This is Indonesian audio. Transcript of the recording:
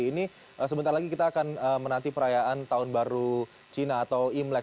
ini sebentar lagi kita akan menanti perayaan tahun baru cina atau imlek